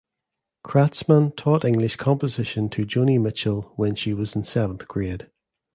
Kratzmann taught English composition to Joni Mitchell when she was in seventh grade.